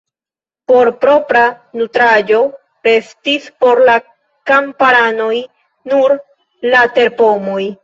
Por propra nutrado restis por la kamparanoj nur la terpomoj.